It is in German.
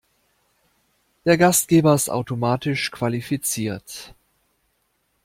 Der Gastgeber ist automatisch qualifiziert.